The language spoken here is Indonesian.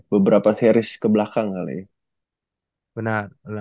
beberapa series kebelakang kali ya